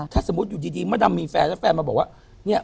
ถ้าสมมติอยู่จริงมด่มมีแฟนแล้วแฟนมาบอกว่า